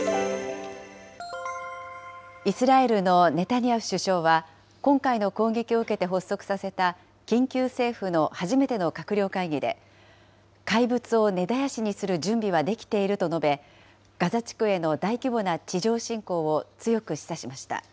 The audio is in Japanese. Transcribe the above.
イスラエルのネタニヤフ首相は、今回の攻撃を受けて発足させた緊急政府の初めての閣僚会議で、怪物を根絶やしにする準備はできていると述べ、ガザ地区への大規模な地上侵攻を強く示唆しました。